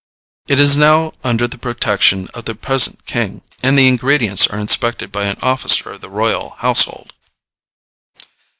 It is now under the protection of the present King, and the ingredients are inspected by an officer of the royal household.